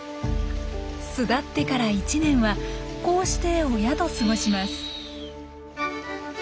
巣立ってから１年はこうして親と過ごします。